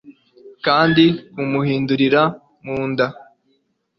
Kandi kumuhindurira mu nda